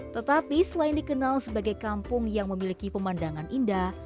tetapi selain dikenal sebagai kampung yang memiliki pemandangan indah